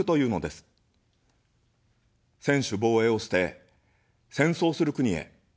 専守防衛を捨て、戦争する国へ。